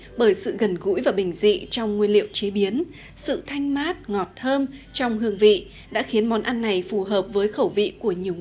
có lẽ bởi sự gần gũi và bình dị trong nguyên liệu chế biến sự thanh mát ngọt thơm trong hương vị đã khiến món bánh đa cá rô đồng trở nên quen thuộc với người dân ở nhiều tỉnh như hưng yên hải phòng